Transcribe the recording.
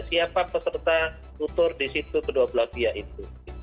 siapa peserta utur di situ kedua belah dia itu